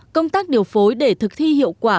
công tác điều phối để thực thi hiệu quả